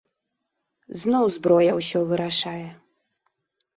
Зноў зброя ўсё вырашае.